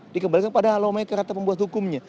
dikembalikan pada halomai kerata pembuat hukumnya